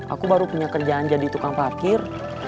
aku baru punya kerjaan jadi tukang parkir